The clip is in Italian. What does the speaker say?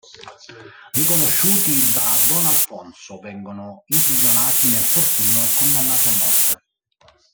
Riconosciuti da don Alfonso, vengono imprigionati nel fortino e condannati a morte.